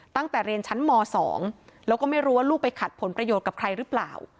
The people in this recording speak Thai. ตั้งแต่เรียนชั้นม๒แล้วก็ไม่รู้ว่าลูกไปขัดผลประโยชน์กับใครหรือเปล่า